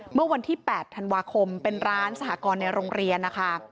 เมื่อวันที่๘ธันวาคมเป็นร้านสหกรณ์ในโรงเรียนนะคะ